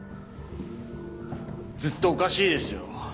ずっとおかしいですよ。